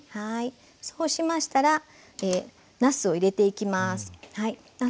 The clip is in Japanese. そうしましたらなすを入れていきます。